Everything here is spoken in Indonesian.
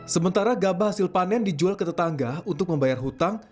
sementara gabah hasil panen dijual ke tetangga untuk membayar hutang